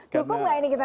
cukup gak ini kita